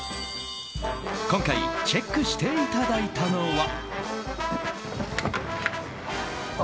今回チェックしていただいたのは。